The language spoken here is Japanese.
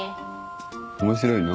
面白いの？